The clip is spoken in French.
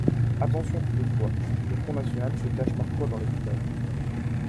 Attention toutefois, le Front national se cache parfois dans les détails.